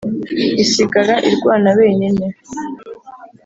isigara irwana wenyine,